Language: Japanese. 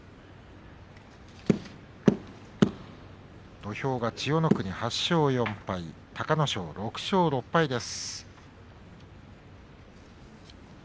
土俵が千代の国、８勝４敗隆の勝、６勝６敗です。